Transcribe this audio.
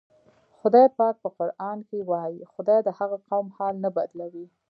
خدای پاک په قرآن کې وایي: "خدای د هغه قوم حال نه بدلوي".